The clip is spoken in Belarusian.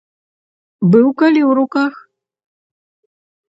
Быў калі ў руках?